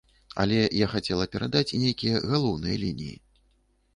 Але я хацела перадаць нейкія галоўныя лініі.